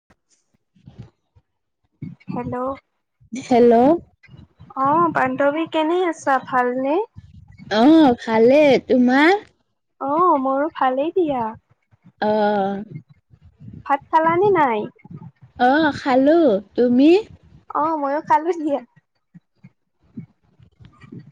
[unintelligible] Hello hello তুমি কেনে আছা ভালনে? অ' ভালে তোমাৰ। অ' মোৰো ভালেই দিয়া। অ'। ভাত খালানে নাই। অ খালো তুমি। অ' ময়ো খালো। [inaudible]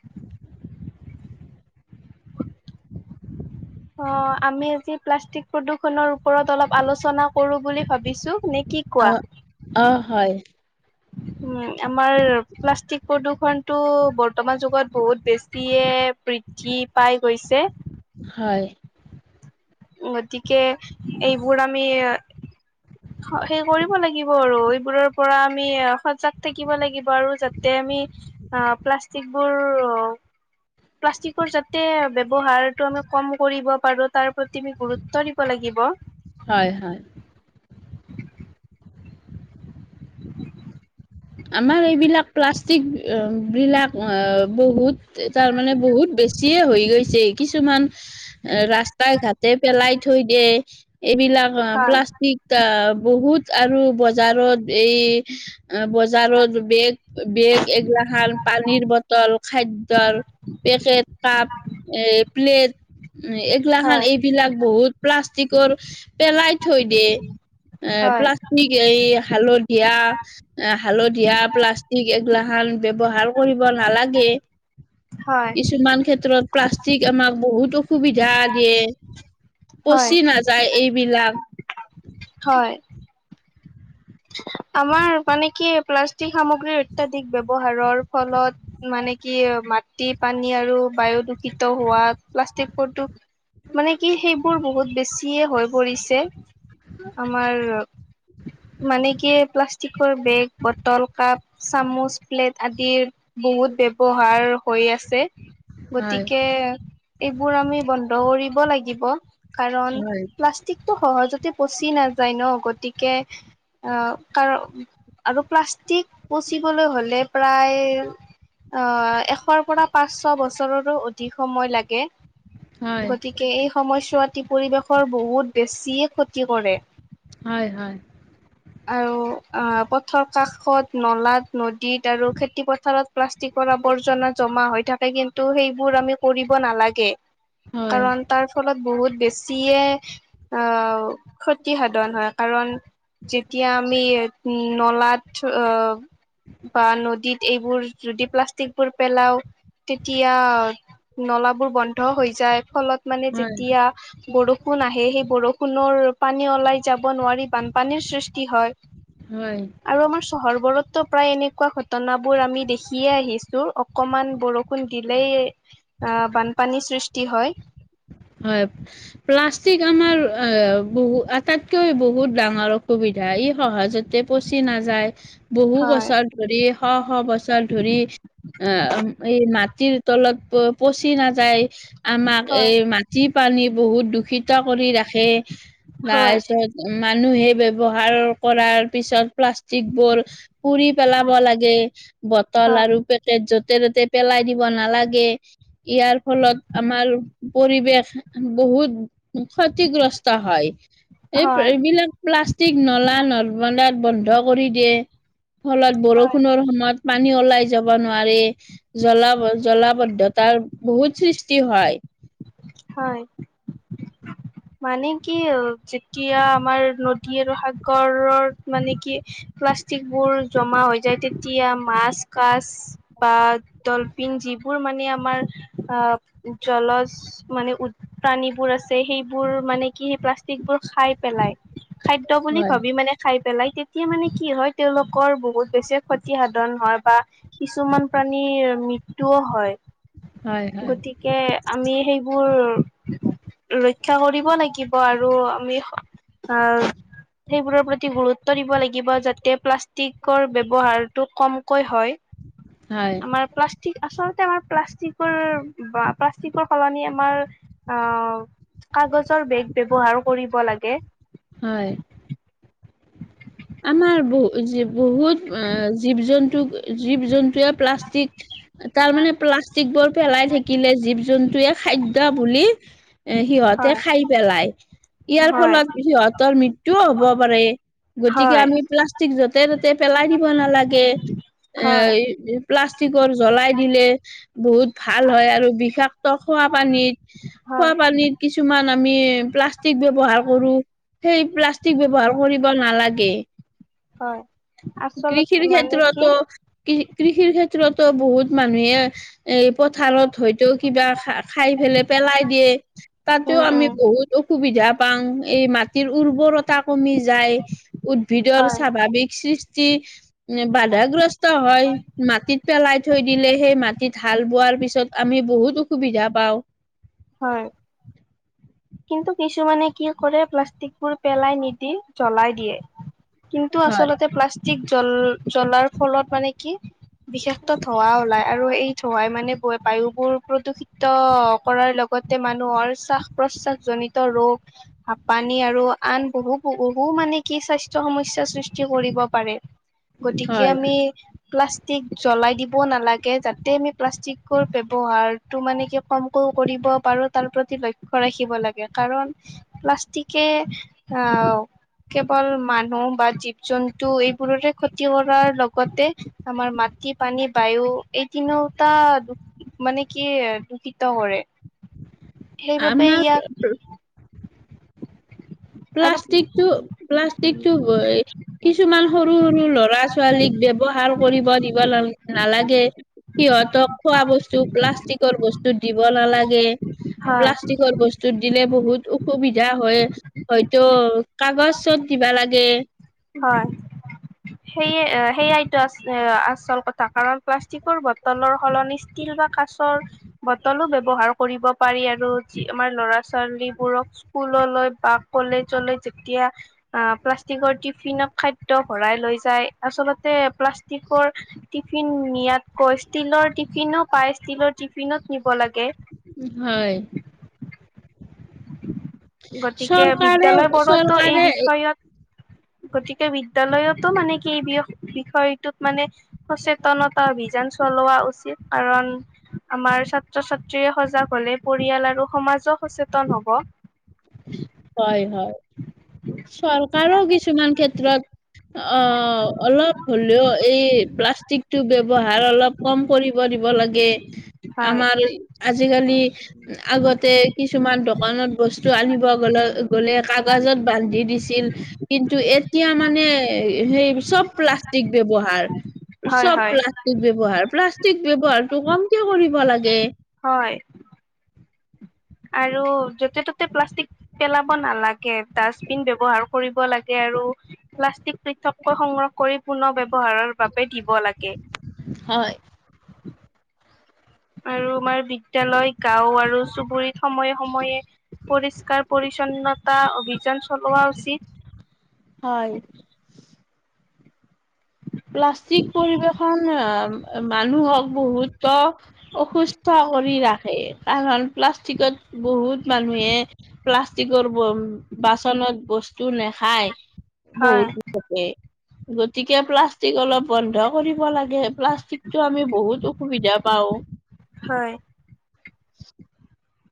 অ' আমি আজি প্লাষ্টিক প্ৰদূষণৰ ওপৰত অলপ আলোচনা কৰো বুলি ভাবিছো নে কি। কি অ কোৱা অ হয় উম' আমাৰ প্লাষ্টিক প্ৰদূৰ্ষণতটো বৰ্তমান যুগত বহুত বেছিয়ে বৃদ্ধি পাই গৈছে। ছে হয়। গতিকে এইবোৰ আমি সেই কৰিব লাগিব আৰু এইবোৰৰ পৰা আমি সজাগ থাকিব লাগিব আৰু যাতে আমি আ প্লাষ্টিকৰ প্লাষ্টিকৰ যাতে ব্যৱহাৰটো আমি কম কৰিব পাৰো তাৰ প্ৰতি আমি গুৰুত্ব দিব লাগিব। আহিব। হয়-হয়। [inaudible] [inaudible] আমাৰ এইবিলাক প্লাষ্টিক বিলাক বহুত তাৰমানে বহুত বেছিয়ে হৈ গৈছে কিছুমান ৰাস্তাই ঘাটতে পেলাই থৈ দিয়ে। এইবিলাক হয়, প্লাষ্টিক বহুত আৰু বজাৰত এই বজাৰত বেগ বেগ এগিলাখান পানীৰ বটল, খাদ্যৰ পেকেট কাপ এ প্লেট এইগিলা খান, হয়, এইবিলাক বহুত প্লাষ্টিকৰ পাষ্টিকৰ পেলাই থৈ দিয়ে, এ হয়, প্লাষ্টিক এই হালধীয়া হালধীয়া প্লাষ্টিক এগলাখান ব্যৱহাৰ কৰিব নালাগে। হয়, কিছুমান ক্ষেত্ৰত প্লাষ্টিক আমাক বহুত অসুবিধা দিয়ে। হয়। পচি নাযায় এইবিলাক হয়। আমাৰ মানে কি। প্লাষ্টিক সামগ্ৰীৰ অত্যাধিক ব্যৱহাৰৰ ফলত মানে কি মাটি, পানী আৰু বায়ু দূষিত হোৱা প্লাষ্টিক মানে কি সেইবোৰ বহুত বেছিয়ে হৈ পৰিছে। আমাৰ মানে কি প্লাষ্টিকৰ বেগ, বটল, কাপ, চামুচ, প্লেট আদিৰ বহুত ব্যৱহাৰ হৈ আছে। হয় গতিকে এইবোৰ আমি বন্ধ কৰিব লাগিব। কাৰণ হয় প্লাষ্টিকটো সহজতে পচি নাযায় ন গতিকে অহ কাৰণ আৰু প্লাষ্টিক পচিবলৈ হ'লে প্ৰায় আহ এশৰ পৰা পাঁচ ছ বছৰৰো অধিক সময় লাগে। গতিকে এই সময়ছোৱাত পৰিৱেশৰ বহুত বেছিয়ে ক্ষতি কৰে। হয়-হয়। আৰু অহ পথৰ কাষত নলাত নদীত আৰু খেতি পথাৰত প্লাষ্টিকৰ আৱৰ্জনা জমা হৈ থাকে কিন্তু সেইবোৰ আমি কৰিব নালাগে। হয় কাৰণ তাৰ ফলত বহুত বেছিয়ে ক্ষতি সাধন হয় কাৰণ যেতিয়া আমি নলাত আহ বা নদীত এইবোৰ যদি প্লাষ্টিকবোৰ পেলাও তেতিয়া নলাাবোৰ বন্ধ হৈ যায় ফলত মানে হয় যেতিয়া বৰষুণ আহে সেই বৰষুণ কুনৰ পানী ওলাই যাব নোৱাৰিব পানীৰ সৃষ্টি হয় হয় আৰু আমাৰ চহৰবোৰতো প্ৰায় এনেকুৱা ঘটনাবোৰ আমি দেখিয়ে আহিছো অকমান বৰষুণ দিলেই আহ বানপানীৰ সৃষ্টি হয় হয় প্লাষ্টিক আমাৰ বহু আটাইতকৈ বহুত ডাঙৰ অসুবিধা ই সহজতে পচি নাযায় বহু হয় বছৰ ধৰি স শ বছৰ ধৰি আহ এই মাটিৰ তলত গৈ পচি নাযায় আমাক হয় এই মান যি পানী বহুত দূষিত কৰি ৰাখে হয়, তাৰ পিছত মানুহে ব্যৱহাৰ কৰাৰ পিছত প্লাষ্টিক বোৰ পুৰি পেলাব লাগে। বটল হয়, আৰু পেকেট যত ততে ততে পেলাই দিব নালাগে ইয়াৰ ফলত আমাৰ পৰিৱেশ বহুত ক্ষতিগ্ৰস্ত হয়। এই হয়, এইবিলাক প্লাষ্টিক নলা ন বন্ধ কৰি দিয়ে। ফলত হয়, বৰষুণৰ সময়ত পানী ওলাই যায়। যাব নোৱাৰি। জ্বলাব জলাবদ্ধতাৰ বহুত সৃষ্টি হয়। হয় মানে কি যেতিয়া আমাৰ নদী আৰু সাগৰত মানে কি প্লাষ্টিক বোৰ জমা হৈ যায় তেতিয়া মাছ কাছ বা ডলফিন যিবোৰ বোৰ মানে আমাৰ অ জল মানে প্ৰাণীবোৰ আছে। সেইবোৰ মানে কি সেই প্লাষ্টিক বোৰ খাই পেলাই। খাদ্য বুলি হয় ভাবি মানে খাই পেলাই। তেতিয়া মানে কি হয় তেওঁলোকৰ বহুত বেছি ক্ষতি সাধন হয়। বা কিছুমান প্ৰণীৰ মৃতুয়ুও হয়। হয় হয় গতিকে আমি সেইবোৰ ৰক্ষা কৰিব লাগিব। আৰু আমি আহ সেইবোৰৰ প্ৰতি গুৰুত্ব দিব লাগিব যাতে প্লা পলিকৰ ব্যৱহাৰটো কমকৈ হয় হয় আমাৰ প্লাষ্টিক আচল আমাৰ প্লাষ্টিকৰ বা প্লাষ্টিকৰ সলনি আমাৰ আহ কাগজৰ বেগ ব্যৱহাৰ কৰিব লাগে। হয় আমাৰ বহু য বহুত অ জীৱ জন্তু জীৱ জন্তুৱে প্লাষ্টিক তাৰ মানে প্লাষ্টিক। বোৰ পেলাই থাকিলে জীৱ জন্তুৱে খাদ্য বুলি এ সিহঁতে হয় খাই পেলায়। ইয়াৰ হয় ফলত সিহঁতৰ মৃত্যুও হব পাৰে। গতিকে হয় আমি প্লাষ্টিক য'তে ত'তে পেলাই দিব নালাগে। এ হয় প্লাষ্টিক কি জ্বলাই দিলে বহুত ভাল হয়। আৰু বিষাক্ত খোৱা পানীত হয় খোৱা পানীৰ কিছুমান আ [unintelligible] হয় আচলতে কৃষিৰ মানে কি ক্ষেত্ৰতো কৃষিৰ ক্ষেত্ৰ ক্ষেত্ৰতো বহুত মানুহে এ পথাৰত হয়তো কিবা খা খাই পেলাই পেলাই দিয়ে তাতও উম আমি উম বহুত অসুবিধা পাওঁ এই মাটিৰ উৰ্বৰতা কমি যায় উদ্ভিদৰ হয় স্বাভাৱিক সৃষ্টি বাধাগ্ৰস্ত হয় মাটিত পেলাই থৈ দিলে সেই মাটি হাল বোৱাৰ পিছত আমি বহুত অসুবিধা পাওঁ। হয় [inaudible] কিন্তু কিছুমানে কি কৰে প্লাষ্টিকবোৰ পেলাই নিদি জ্বলাই দিয়ে। কিন্তু আচলতে প্লাষ্টিক জল জ্বলাৰ ফলত মানে কি বিশেষত ধোঁৱা ওলাই আৰু এই ধোঁৱাই মানে বায়ু বোৰ প্ৰদূষিত কৰাৰ লগত আতে মানুহ চো প্ৰশ্বাসজনিত ৰোগ হাপানী আৰু আন বহু বহু মানে কি স্বাস্থ্য সমস্যা সৃষ্টি কৰিব পাৰে গতিকে হয় আমি প্লাষ্টিক জ্বলাই দিব নালাগে যাতে আমি প্লাষ্টিকৰ ব্যৱহাৰটো মানে কি কমকে কৰিব পাৰো তাৰ প্ৰতিক্ষ ৰাখিব লাগে কাৰণ প্লাষ্টিকে আহ কেৱল মানুহ বা জীৱ জন্তু এইবোৰৰে ক্ষতি কৰাৰ লগতে আমাৰ মা খেতি পানী বায়ু এই তিনিওটা মানে কি দূষিত কৰে সেইবাবে ইয়াক [inaudible] আমাৰ আৰু প্লাষ্টিকটো প্লাষ্টিকটো কিছুমান সৰু সৰু ল'ৰা ছোৱালীক ব্যৱহাৰ কৰিব দিব নালাগে সিহঁতক খোৱা বস্তু প্লাষ্টিকৰ বস্তু দিব নালাগে হয় প্লাষ্টিকৰ বস্তুত দিলে বহুত অসুবিধা হয় হয়তো কাগজ চত দিবা লাগে হয় [inaudible] সেয়ে সেইয়াইটো আ আচল কথা কাৰণ প্লাষ্টিকৰ বটলৰ সলনি ষ্টীল বা কা বোটোল ব্যৱহাৰ কৰিব পাৰি আৰু আমাৰ লৰা ছোৱালী স্কুল [unintelligible] টিফিনত খাদ্য ভৰাই লৈ যায় আচলতে প্লাষ্টিকৰ টিফিন নিয়াতকৈ ষ্টীলৰ টিফিনো পাই ষ্টীলৰ টিফিনত নিব লাগে হয় গতিকে চৰকাৰে বিদ্যালয়বোৰতো এই চৰকাৰে বিষয়ত গতিকে বিদ্যালয়তো মানে কি এই বি বিষয়টোত মানে সচেতনতা অভিযান চলোৱা উচিত কাৰণ আমাৰ ছাত্ৰ ছাত্ৰীয়ে সজাগ হলে পৰিয়াল আৰু সমাজক সচেতন তোন হব হয় হয় চৰকাৰো কিছুমান ক্ষেত্ৰত অ অলপ হ'লেও এই প্লাষ্টিকটো ব্যৱহাৰ অলপ কম কৰিব দিব হয় আমাৰ আজিকালি আগতে কিছুমান দোকানত বস্তু [unintelligible] সেই চব প্লাষ্টিক ব্যৱহাৰ হয় চব হয় প্লাষ্টিক ব্যৱহাৰ প্লাষ্টিক ব্যৱহাৰটো কমকে কৰিব লাগে [inaudible] হয় আৰু য'তে ত'তে প্লাষ্টিক পেলাব নালাগে ডাষ্টবিন ব্যৱহাৰ কৰিব লাগে আৰু প্লাষ্টিক পৃথককৈ সংগ্ৰহ কৰি পুনৰ ব্যৱহাৰৰ বাবে দিব লাগে হয় আৰু আমাৰ বিদ্যালয় গাঁও আৰু চুবুৰীত সময়ে সময়ে পৰিষ্কাৰ পৰিচ্ছন্নতা অভিযান চলোৱা উচিত হয় প্লাষ্টিক পৰিৱেশন মানুহক বহুতোক অসুস্থ কৰি ৰাখে কাৰণ প্লাষ্টিকত বহুত মানুহে প্লাষ্টিকৰ তন বাচনত বস্তু নেখায় হয় বহুতে গতিকে প্লাচ প্লাষ্টিক অলপ বন্ধ কৰিব লাগে, প্লাষ্টিকটো আমি বহুত অসুবিধা পাওঁ। হয়। [inaudible]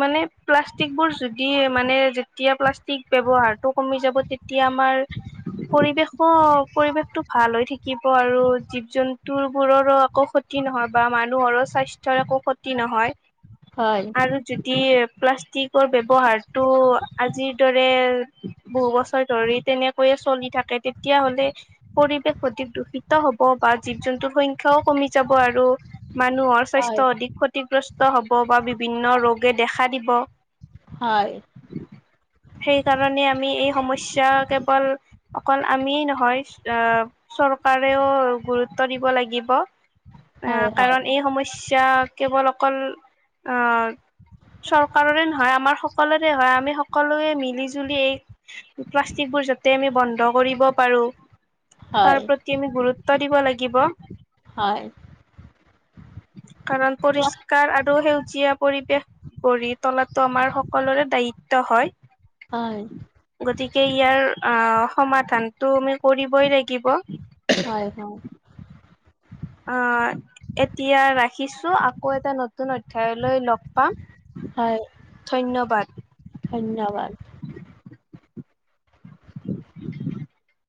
মানে প্লাষ্টিকবোৰ যদি মানে যেতিয়া প্লাষ্টিক ব্যৱহাৰটো কমি যাব এতিয়া আমাৰ পৰিৱেশো, পৰিৱেশটো ভাল হৈ থাকিব আৰু জীৱ-জন্তু বোৰৰো একো ক্ষতি নহয় বা মানুহৰো স্বাস্থ্যৰ একো ক্ষতি নহয়। হয়। আৰু যদি প্লাষ্টিকৰ ব্যৱহাৰটো আজিৰ দৰে বহু ধৰি তেনেকৈয়ে চলি থাকে তেতিয়াহলে পৰিৱেশ অধিক দূষিত হ'ব বা জীৱ জন্তু সংখ্যাও কমি যাব আৰু মানুহৰ হয় স্বাস্থ্য অধিক ক্ষতিগ্ৰস্ত হ'ব বা বিভিন্ন ৰোগে দেখা দিব। হয় সেইকাৰণে আমি এই সমস্য কেৱল অকল আমিয় নহয়, অ' চৰকাৰেও গুৰুত্ব দিব ল লাগিব আহ হয় হয় কাৰণ এই সমস্যা কেৱল অকল অ' চৰকাৰৰে নহয়, আমাৰ সকলোৰে হয়, আমি সকলোৱে মিলি জুলি এই প্লাষ্টিকবোৰ যাতে আমি বন্ধ কৰিব পাৰো। হয় তাৰ প্ৰতি আমি গুৰুত্ব দিব লাগিব। হয়। কাৰণ পৰিষ্কাৰ আৰু সেউজীয়া পৰিৱেশ গৰিত তলাটো আমাৰ সকলোৰে দায়িত্ব হয়। হয় গতিকে ইয়াৰ আহ সমাধানতটো আমি কৰিবই লাগিব। হয়-হয়। অ' এতিয়া ৰাখিছো আকৌ এটা নতুন নতুন অধ্যায়লৈ লগ পাম। হয় ধন্যবাদ। ধন্যবাদ [inaudible]